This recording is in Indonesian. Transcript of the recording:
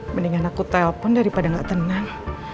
mendingan aku telepon daripada gak tenang